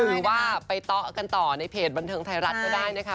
หรือว่าไปเตาะกันต่อในเพจบันเทิงไทยรัฐก็ได้นะคะ